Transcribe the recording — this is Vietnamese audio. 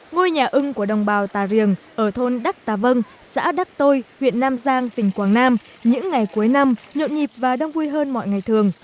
ngôi nhà ưng của đồng bào tà riềng ở thôn đắc tà vân xã đắc tôi huyện nam giang tỉnh quảng nam những ngày cuối năm nhộn nhịp và đông vui hơn mọi ngày thường